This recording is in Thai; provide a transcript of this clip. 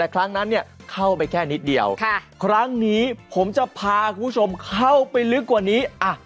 แต่ครั้งนั้นเข้าไปแค่นิดเดียวครั้งนี้ผมจะพาคุณผู้ชมเข้าไปลึกกว่านี้